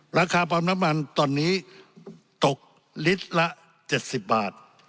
ราคาปั๊มน้ำมันตอนนี้ตกลิตรละ๗๐บาท